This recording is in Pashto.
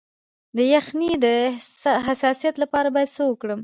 د یخنۍ د حساسیت لپاره باید څه وکړم؟